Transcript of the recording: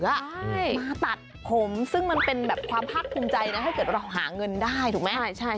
แล้วมาตัดผมซึ่งมันเป็นแบบความภาคภูมิใจนะถ้าเกิดเราหาเงินได้ถูกไหม